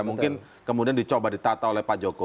mungkin kemudian dicoba ditata oleh pak jokowi pak ahok